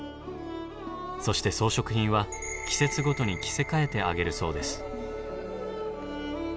そして装飾品は季節ごとに着せ替えてあげるそうです。